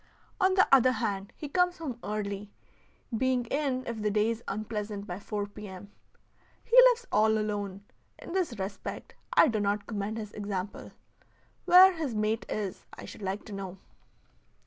On the other hand, he comes home early, being in if the day is unpleasant by four P. M. He lives all alone; in this respect I do not commend his example. Where his mate is I should like to know.